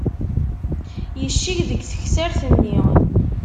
Yecceg deg teksart-nni.